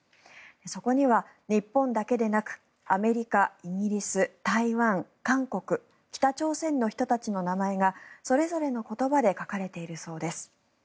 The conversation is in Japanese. そこには日本だけでなくアメリカ、イギリス、台湾、韓国北朝鮮の人たちの名前がそれぞれの言葉で書かれているそうです。